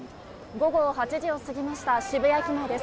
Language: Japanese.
午後８時を過ぎました渋谷駅前です。